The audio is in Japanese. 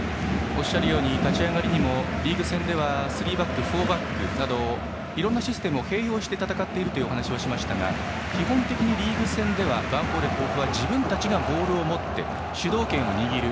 おっしゃるようにリーグ戦ではスリーバックフォーバックなどいろんなシステムを併用して戦っているという話をしましたが基本的にはリーグ戦ではヴァンフォーレ甲府は自分たちがボールを持って主導権を握る。